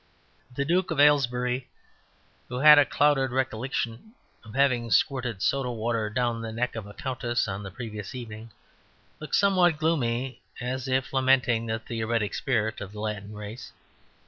The Duke of Aylesbury, who had a clouded recollection of having squirted soda water down the neck of a Countess on the previous evening, looked somewhat gloomy, as if lamenting the theoretic spirit of the Latin race.